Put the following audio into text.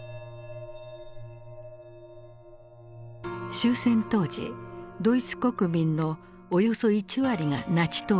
終戦当時ドイツ国民のおよそ１割がナチ党員だった。